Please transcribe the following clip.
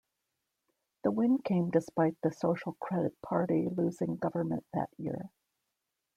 The win came despite the Social Credit party losing government that year.